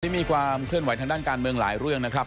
มีความเคลื่อนไหวทางด้านการเมืองหลายเรื่องนะครับ